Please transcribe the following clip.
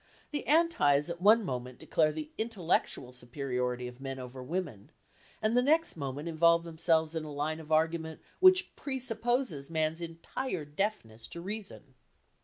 The Antis at one moment declare the intellectual superiority of men over women, and the next moment involve themselves in a line of argument which presupposes man's entire deafness to reason.